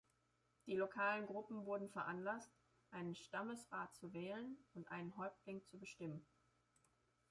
Die lokalen Gruppen wurden veranlasst, einen Stammesrat zu wählen, und einen Häuptling zu bestimmen.